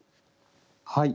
はい。